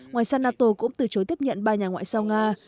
ngoài ra nato cũng từ chối tiếp nhận ba nhà ngoại giao nga